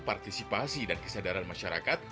partisipasi dan kesadaran masyarakat